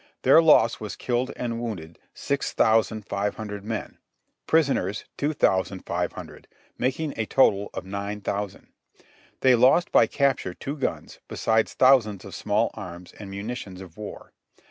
Their loss was killed and wounded six thousand five hundred men ; prisoners, two thousand five hun dred; making a total of nine thousand. They lost by capture two guns, besides thousands of small arms and munitions of war.